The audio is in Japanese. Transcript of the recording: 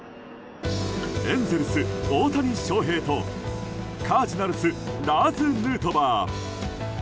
エンゼルス、大谷翔平とカージナルスラーズ・ヌートバー。